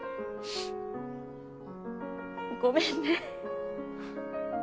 ごめんね。